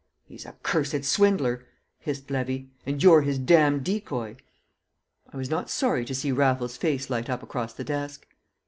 "He's a cursed swindler," hissed Levy. "And you're his damned decoy!" I was not sorry to see Raffles's face light up across the desk.